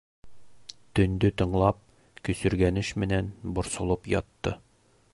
Төндө тыңлап, көсөргәнеш менән борсолоп ятты.